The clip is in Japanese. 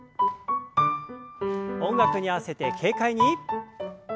音楽に合わせて軽快に。